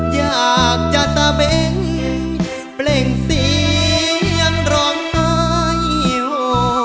อยากจะตะเบ้งเพลงเสียงร้องไอโฮ